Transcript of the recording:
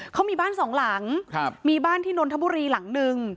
เขามีบ้านสองหลังมีบ้านที่นนทบุรีหลังนึง